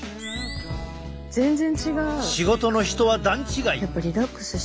仕事の日とは段違い。